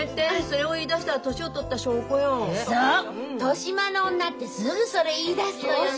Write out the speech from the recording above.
年増の女ってすぐそれ言い出すのよね。